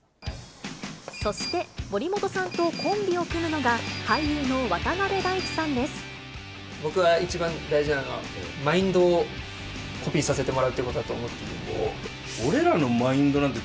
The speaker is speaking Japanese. そして、森本さんとコンビを組むのが、僕は一番大事なのは、マインドをコピーさせてもらうということだと思っているので。